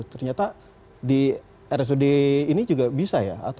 ternyata di rsud ini juga bisa ya